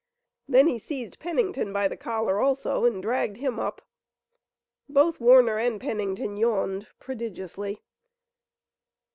Then he seized Pennington by the collar also and dragged him up. Both Warner and Pennington yawned prodigiously.